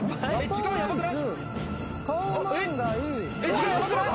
時間ヤバくない？